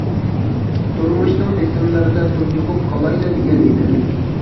تۇرمۇشنىڭ بېسىملىرىدا تۇنجۇقۇپ قالايلا دېگەن ئىدىم.